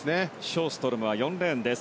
ショーストロムは４レーンです。